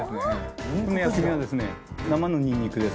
この薬味は生のにんにくです。